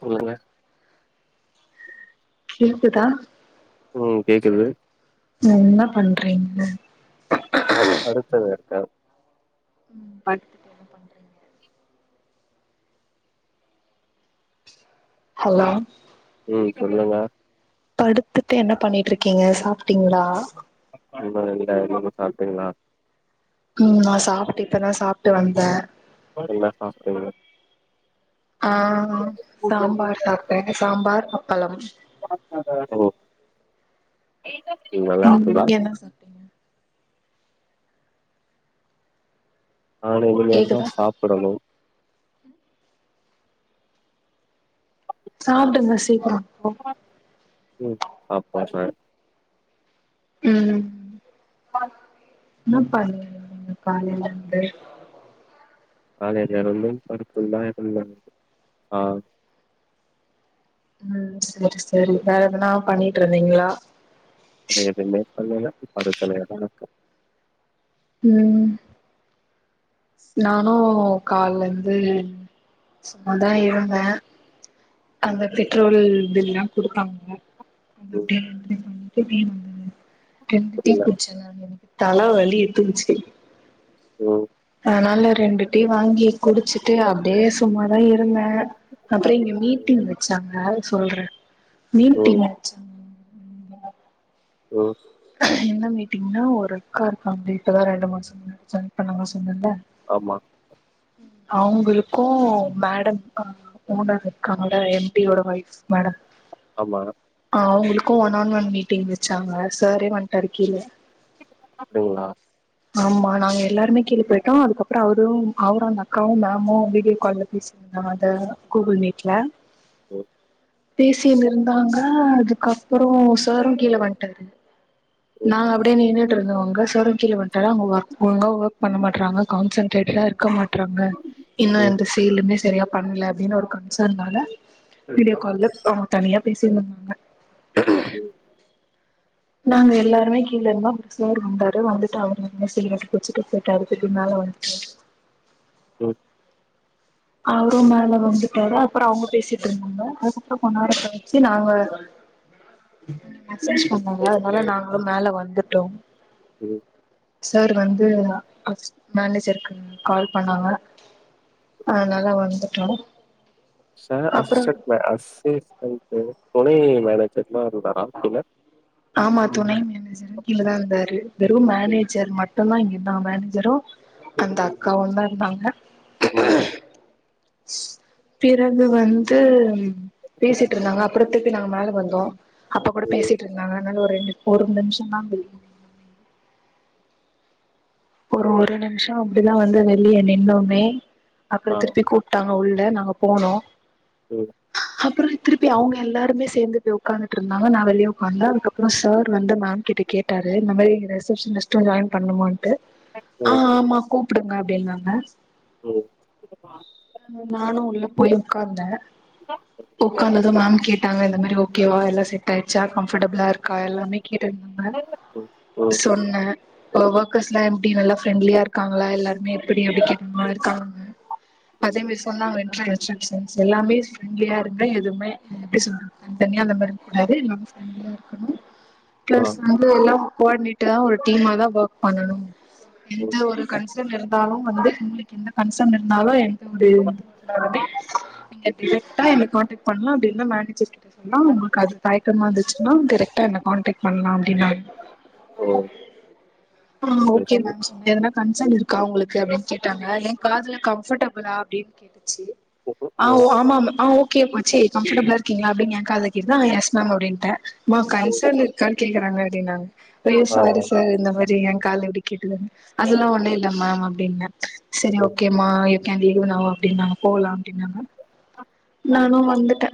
சொல்லுங்க. இருக்குதா. உம் கேக்குது. என்ன பண்றீங்க. அடுத்தது இருக்கா. ம் படுத்துட்டு என்ன பண்றீங்க. ஹலோ. ம் சொல்லுங்க. படுத்துட்டு என்ன பண்ணிட்டு இருக்கீங்க சாப்ட்டீங்களா. இல்ல இல்ல நீங்க சாப்ட்டீங்களா. உம் நா சாப்பிட்டே இப்பதான் சாப்ட்டு வந்தே. என்ன சாப்ட்டீங்க ஆ சாம்பார் சாப்ட்டேன் சாம்பார் அப்பளம். ஏதோ. ம் நீங்க என்ன சாப்ட்டீங்க. நான் கேக்குதா இனிமேல்தான் சாப்பிடணும். சாப்டுங்க சீக்கிரம். ஆ உம் அப்பா ஆஹ். ம் என்னப்ப [unintelligible] காலைலருந்து அ [unintelligible] பருப்புல்லாயிருந்த ஆஹ். ம் சரி சரி வேற எதனா பண்ணிட்ருந்திங்களா. அது எதுமே பண்ணல. [unintelligible] ம் நானூ கால்லந்து சும்மாதான் இருந்தேன் ம் அந்த பெட்ரோல் பில்லாம் குடுப்பாங்க [unintelligible] ம் [unintelligible] ரெண்டு டீ புரில குடிச்ச [unintelligible] தலவலி எத்துங்ச்சி ம் அதனால ரெண்டு டீ வாங்கி குடிச்சுட்டு அப்டியே சும்மாதா இருந்த, அப்பற இங்க ம் மீட்டிங் வச்சாங்க சொல்ற மீட்டிங் ம் வச் ம் என்ன மீட்டிங்னா ஒரு அக்கா இருக்காங்க இப்பதா ரெண்டு மாசம் முன்ன ஜாயின் பண்ணாங்க சொன்னல்ல. ஆமா அவங்களுக்கு மேடம் அஹ் ஓனர் இருக்காங்கள எம் டியோட ஒய்ஃப் மேடம் ஆமா ஆவுங்க்லுக் கு ஒன்னன் ஒன் மீட்டிங் வச்சாங்க. சாரே வன்ட்டாருகீல அப்டிங்களா. ஆமா நாங்க எல்லாருமே கீழ போயிட்டோ அதுக்கப்புற அவரூ அவரு அந்த அக்காவு மேமு வீடியோ கால்ல பேசியிருந்தாங்க அத கூகுள் மீட்ல ம் பேசிணு இருந்தாங்க அதுக்கப்புறோ சாரு கீல வந்ட்டாரு. ம் நான் அப்படியே நின்னு இருந்தவங்க சவன்திரிஒன் [unintelligible] க ஒர்க் ஒழுங்கா ஒர்க் பண்ண மாட்டறாங்க கான்சன்ட்ரேட்ல இருக்க மாட் துறங்க இன்னு ம் எந்த செய்லுமே சரியா பண்ணல அப்படின்னு ஒரு கன்சர்னால வீடியோ ம் கால்ல ஆ தனியா பேசியினுருந்தாங்க. உம் [inaudible] நாங்க எல்லாருமே கீழ இருந்த அப்ற சார் வந்தாரு வந்துட்டு அவ என்ன செய்யலுக்குச்சுட்டு போட்டாரு திருப்பி மேல வந்துடாரு ஹு அவரும் மேல வந்துட்டாரு அப்புறம் அவங்க பேசிட்டு இருந்தாங்க அதுக்கப்புறம் கொன்னர நாங்க சொன்னாங்க அதனால நாங்களும் மேல வந்துட்டோம். ம் சார் வந்து மேனேஜருக்கு கால் பண்ணாங்க. அதுனால வந்துட்டோ ச அப்றோ அசிச்டன்ட்ல அசி [unintelligible] மேனேஜர்னா [unintelligible] இல்ல ஆமா துணை மேனேஜரு கீழதா இருந்தாரு வெறு ம் மேனேஜர் மட்டுந்தா இங்க நா மேனேஜரூ அந்த அக்காவுந்தா இருந்தாங்க உம் ம் பிறகு வந்து பேசிட்டிருந்தாங்க அப்புற திருப்பி நாங்க மேல வந்தோ அப்ப கூட ம். பேசிட்டுருந்தாங்க [unintelligible] ரெண்டு ஒரு நிம்ஷந்தா [unintelligible] ஒரு ஒரு நிம்ஷோ அப்டிதா வந்து வெளிய நின்னோமே அப்புற ஆ. திருப்பி கூப்ட்டாங் அ உள்ள நாங்க போனோ உம் அப்புற திருப்பி அவுங்க எல்லாருமே சேந்து போய் உக்காந்துட்டுருந்தாங்க நா வெளிய உக்காந்தே அதுக்கப்புற சார் வந்து மேம் கிட்ட கேட்டாரு இந்த மாரி ரிசெப்ஷனிஸ்டா ஜாயின் பண்ணணுமான்ட்டு ஆ ம் ஆமா கூப் ப்பிடுங்க அப்டின்னாங்க ஓ நானு உள்ள போய் உக்காந்தே உக்காந்தது மேம் கேட் ட்டாங்க இந்த மாரி ஓகே வா எல்லா செட் ஆயிட்ச்சா கம்ஃபடபிளாருக் க்கா எல்லாமே கேட்டு இருந்தாங்க ம் ம் சொன்னே யோகா க்ளஸ் ல்லா எப்டி நல்லா ஃபிரெண்ட்லியா இருக்காங்களா எல்லாருமே எப்டி அப்படி கேட்டுந்தே அதுக்கு அவுங்க அதேமரி ம். சொன்னாங்க [unintelligible] ரிசெப்ஷனிஸ்ட் எல்லாமே ஃபிரெண்ட்லியா இருங்க எதுவுமே எப்படி சொல்றது தனித்தனியா அந்த மாரி இருக்கக்கூடாது எல்லாமே ஃபிரெண்ட்லியா இருக்கணு ஆ. பிளஸ் வந்து எல்லாம் கோ ஆட்னேட்டரா ஒரு டீமாதா வக் பண்ணணும் எந்த ம். ஒரு கன்ஸ் ர்ஜன் இருந்தாலு வந்து உங்ளுக்கு எந்த கன்சன் இருந்தாலு எங் [unintelligible] நீங்க டிரெக்டா என்ன கான்டேக்ட் பண்லா அப்டி நா மேனேஜர்கிட் ட்ட சொன்னா உங்ளுக்கு அது தயக்கமா இந்துச்சுன்னா டிரெக்டா என்ன கான் டேக் பண்லா அப்டினாங்க ஓ! ஆ சரி. ஓக் [unintelligible] கன்சன் இருக்கா உங்களுக்கு அப்டின் கேட்டாங்க ஏ காதுல கம்ஃபடப்ளா அப்டின் கேட்டுச்சி ம். ஆ ஒ ம். ஆமாம் அ ஒ கே போச்சி கம்ஃபடப்ளா இருக்கீங்ளா அப்டின் என் காதுல கேட்டுது அ எஸ் மேம் அப்டின்ட்டே ம்மா கன்சன் இருக்கான் கேக்குறாங்க அப்படினங்க.. ஐ்யோ ஆ. சாரிசாரிஇந்த மாதிரியங் [unintelligible] கேட்டுதா அதெல்லா ஒண்ணு இல்லமாமம் அப்டின்னா சரி ம். ம். ஓகேமா [unintelligible] அப்படின்னுனாங்க போலாம் அப்படின்னாங்க. நானும் வந்துட்டே.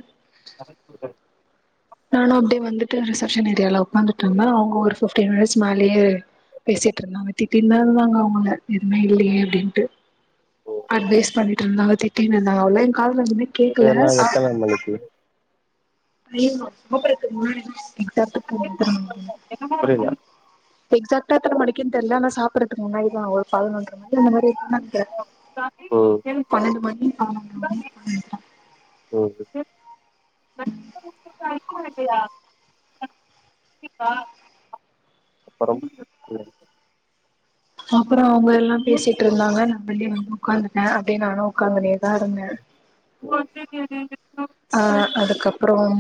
நானு அப்டியே வந்துட்டு ரிசப்ஷன் ஏரியாலில உக்காந்துட்ட இருந்த அவங்க ஒரு பிப்டீன் மினிட்ஸ் மேலேயே பேசிட்டு இருந்தாங்க திட்டி இருந் இருந்தாங்க அவங்க எதுவுமே இல்லையே அப்படின்னுட்டு அட்வைஸ் பண்ட் ரெண்ட் நாள திட்டீனாள கால் வந்த உன்ன கேக்கல இதெல்லா ஆ எத்தன மணிக்கு? நீங்க சாப்பறத்துக்கு முன்னாடி புரியல. [unintelligible] எக்சாடா எத்தனை மணிக்கு தெரியல ஆனா சாப்பிறத்துகுமுன்னா நான் ஒரு பதினொன்று மணி க்கிஅந்த மாதிரி பண்ணிட்டேன் ம் பன்னெண்டு மணி பதினொ மணிட்டேன் ம். [inaudible] [unintelligible] அப்புறம் [inaudible] [inaudible] அப்ரோ அவங்க எல்லா பேசிட்டு இருந்தாங்க. நா வெளிய வந் உட்காந்துட்ட அப்படி நானு உட்காந்து [unintelligible] [inaudible] ஆ அதுக்கப்புறம்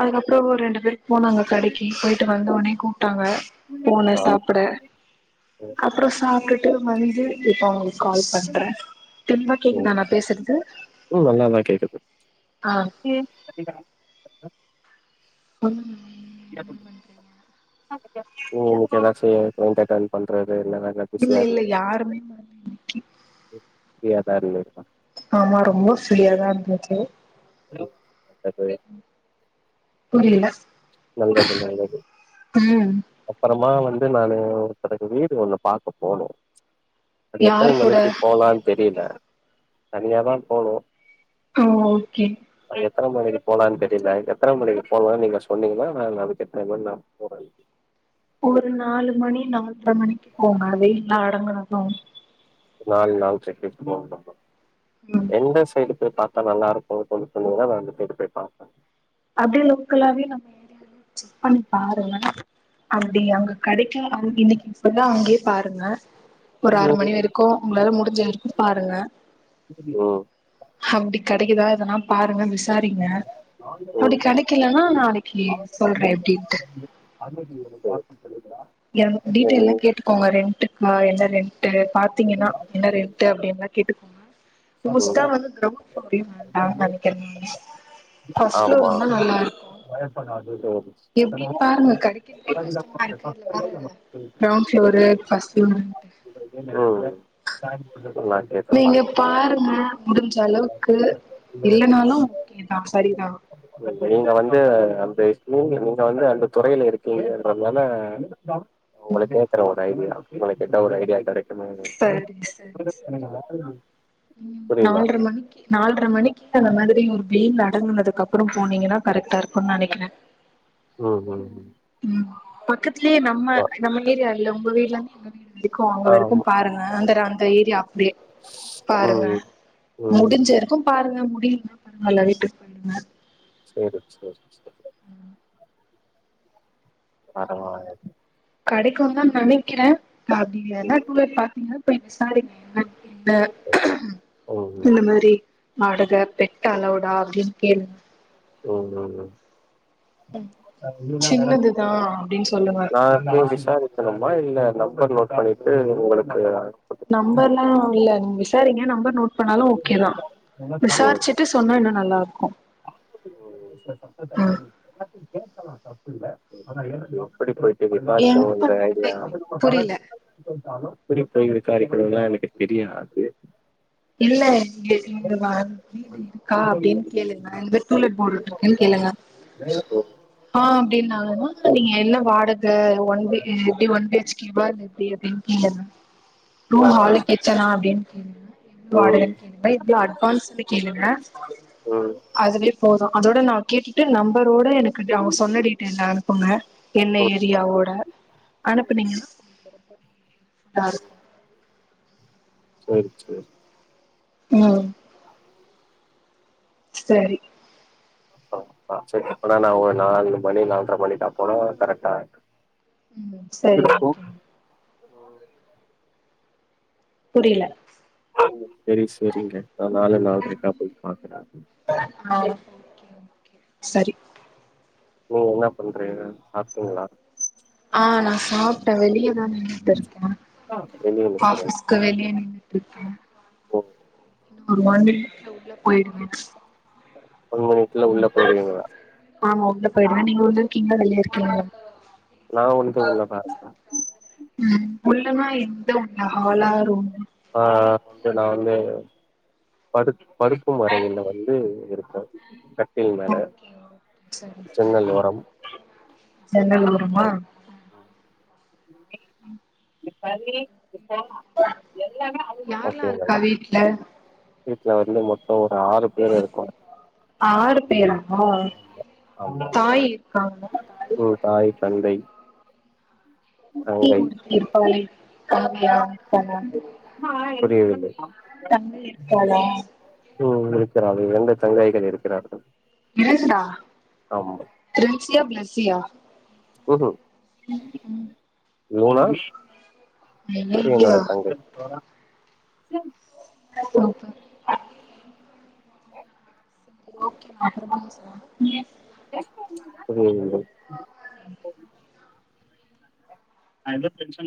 அதுக்கப்புறம் ஒரு ரெண்டு பேர் போனாங்க கடைக்கு போயிட்டு வந்த உடனே கூப்ட்டாங்க. போனே ஆ. சாப்பிட ம் அப்புறம் சாப்ட்டு [unintelligible] கால் பண்றேன். தெளிவா கேக்குதா ம். நான் பேசுறது. ஆ உம் [inaudible] [inaudible] [unintelligible] இல்ல பிஸியா இல்ல இருந்தது யாருமே மா இன்னைக்கி யாபாரி யோடுதான் ஆமா ரொம்ப சுழியாதா இருந்தச்சு து அது புரியல நல்லது நல்லது ம் அப்பறம் அம்மா வந்து நானு ஒருத்தருக்கு வீடு ஒண்ணு பாக்க போனோ அது எத்தன யார் கூட மணிக்கு போலானு தெரில தனியாதா போணும் அ ஓகே எத்தன மணிக்கு போலானு தெரில எத்தன மணிக்கு போலானு நீங்க சொ சொன்னீங்கன்னா நா அதுக்கு தகுந்த நா போறே ஒரு நாலு மணி நால்ர மணிக்கு போனாலே எல்லா அடங்குனதும் நாலு நாலு [unintelligible] ஃபோன் பண்றோ ம் எந்த சைடுக்கு பா நல்லா இருக்குன்னு சொல்லி சொன்னிங்கன்னா நா இந்த சைடு போய் பாப்பே அப்டியே லோக்கலாவே நம்ம ஏரியால செக் பண்ணி பாருங்க அ டி அங்க கெடைக்கு அ இன்னைக்கு ஃபுல்லா அங்கயே பாருங்க ஒரு ஆறு ம் மணி வரைக்கும் உங்களால முடிஞ்ச வரைக்கும் பாருங்க ம் அப்டி க கெடைக்குதா எதெல்லா பாருங்க விஸ் [inaudible] அப்படி கெடைக்கலன்னா நா அன்னைக்கு சொல்றே எப்டின்ட்டு எ டீட்டெய்ல்லா கேட்டுக்கோங்க ரெண்ட்டுக்கா என்ன [unintelligible] ஏ பாத்தீங்கன்னா என்ன ரேட்டு அப்டின்லாம் கேட்டு மோஸ்டா ம் வந்து கிரவுண்ட் ஃப்ளோர்னு நா நெனைக்கிறேன் நானு காஸ் ஆமா பயப்படாததோ ம் எப்படின்னு பாருங்க கெடைக்கிறதே கஷ்டமா இருக்கு இதுல வேற கிரௌண்ட் ஃப்ளோரு ஃபர்ஸ்ட் ஃப்ளோருன்ட்டு சும்மா கேட்டுப் நீங்க பார்த்த பாருங்க முடிஞ்ச அளவுக்கு இல்லனாலும் ஓகே தா சரிதா நீங்க வந்து [unintelligible] நீங்க வந்து அந்த துறையில இருக்கீங்கன்றதுனால உங்கள கேக்கற ஒரு ஐடியா உங்கள கேட்டா ஒரு ஐடியா கெட சரி சரி சரி புரியல நால்ர மணிக்கு நால்ர மணிக்கு அந்த மாதிரி வெயில் அடங்குனதுக்கு அப்புறோ போனீங்கன்னா கரெக்ட்டா இருக்கு நெனைக்கிறே உம் ஹும் ம் பக்கத் து நம்ம நம்ம ஏரியா இல்ல உங்க வீட்ல இருந்து எங்க வீடு எப்டி க்கு அங்க வரைக்கு ஆமா பாருங்க அந்த அந்த ஏரியா அப்டியே பாருங்க ம் ம் முடிஞ்சவரைக்கு பாருங்க முடியுதா பாருங்க இல்ல வீட்டுக்கு போய்டுங்க செரி செரி செரி உம் பரவால கெடைக்கும் தான் நெனைக்கிறேன் அப்டி இல்லனா டூலர் பாத்திங்க போய் விசாரிங்க என்ன என்ன ம் இந்த மாரி ஆடுக பெட் அலவ்டா அப்டின்னு கேளுங்க உம் உம் உம் சின்னதுதா அப்டின்னு சொல்லுங்க [inaudible] மா இல்ல நம்பர் நோட் பண்ணிட்டு உங்களுக்கு அனுப்பட்டுமா? நம்பர்ல்லா இல்ல நீங்க விசாரிங்க நம்பர் த நோட் பண்ணாலு ஓக்கே தா விசாரிச்சுட்டு சொன்னா இன்னு நல்லாருக்கு உம் [inaudible] சத்தத்த கவனி எல்லாத்துக்கு கேக்கலா தப்பு இல்ல ஆனா [inaudible] எப்டி போய் [unintelligible] என்ன விசாரிக்கனுன்ற பண்றீங்க ஐடியா [inaudible] புரில இருந்தாலு எப்டி போய் விசாரக்கனுல்லா எனக்கு தெரியாது இல்ல இங்க இங்க வா வீடு இருக்கா அப்டின்னு கேளு அ இங்க டூலெட் போர்டு இருக்குனு கேளுங்க ம் ஆஹ் அப்டின்னாங்கனா செரிங்க என்ன வாடக இப்டி வந்து கிபாது எப்டி அப்டின்னு கேளுங்க ஆ ரூம் ஹாலு கிச்சனா அப்டின் கேளுங்க எவ்ளோ ம் வாடகன்னு கேளுங்க எவ்ளோ அட்வான்ஸுன்னு கேளுங்க ம் அதுலே போதும் அதோட நான் கேட்டுட்டு நம்பரோட எனக்கு அவுங்க சொன்ன டீட்டெய்ல அனுப்புங்க என்ன ம் ஏரியாவோட ம் அனுப்புனிங்கநா ஆ சேரி சேரி ம் சேரி ஆ ஆ சேரி அப்பனா நா ஒரு நால் மணி நால்ற மணிட்டா போனா கரெட்டா ம் சேரிங்க உ [inaudible] புரில சேரி சேரிங்க நா நாலு நாள்ரைகு போய் பாக்குறே ஆ சரி ஓ என்ன பண்றீங்க சாப்ட்டீங்ளா ஆ நா சாப்ட்ட வெளியதா நின்னுட்டு இருக்கே வெளிய நிக்கிறே ஆபிஸ்கு வெளிய நின்னுட்டு இருக்கே ஓ இன்னு ஒரு மினிட்ல உள்ள போய்டுவே ஒரு மிணிட்டுல உள்ள போய்டுவீங்களா போயிடுவ நீங்க உள்ள இருக்கீங்களா வெளிய இருக்கீங்களா [unintelligible] உள்ள தா இருப்ப ம் உள்ள நா எங் [unintelligible] ஹாலா ரூம் ஆ இப்ப நா வந்து படுத் படுக்கும் அரைகள்ல வந்து இருக் ஓகே சரி சரி ஜன்னல் ஓரம் ‌சரி ஜன்னல் ஓரமா பவி யார்லா இருக்கா ஓகேங்களா வீட்ல வீட்ல வந்து மொத்தோ ஒரு ஆறு பேர் இருக்கோ ஆறு பேரா ஆமா தாய் காங்க ம் தாய் தந்தை குட்டி தங்கை ஒருத்தி இருப்பாளே காவ்யா தான புரியவில்லை தமிழ் இருக்காலா ம் இருக்கிறார்கள் இரண்டு தங்கைகள் இருக்கிறார்கள் [unintelligible] ஆமா தன்சியா ப்ளஸ் தியா ம்ஹும் ஓலாஷ் சரியனோட ஐயையோ தங்கி சம் பாப்ப சரி ஓகே நம்ம அப்புறமா பேசலாம் [unintelligible] [unintelligible] ம் நா ஏதோ டென்ஷன்